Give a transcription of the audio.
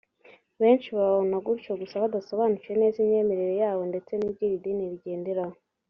benshi bababona gutyo gusa badasobanukiwe neza imyemerere yabo ndetse n’ibyo iri dini rigenderaho